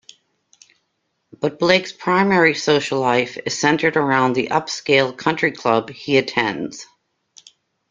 But Blake's primary social life is centered around the upscale country club he attends.